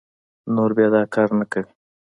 نور بيا دا کار نه کوي